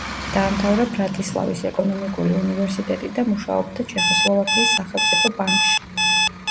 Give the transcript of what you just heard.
დაამთავრა ბრატისლავის ეკონომიკური უნივერსიტეტი და მუშაობდა ჩეხოსლოვაკიის სახელმწიფო ბანკში.